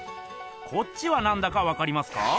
こっちはなんだかわかりますか？